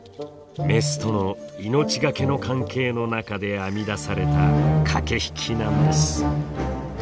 メスとの命がけの関係の中で編み出された駆け引きなんです。